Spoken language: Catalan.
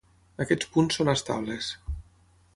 Aquests punts són estables.